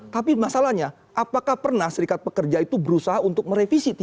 tapi masalahnya apakah pernah serikat pekerja itu berusaha untuk merevisi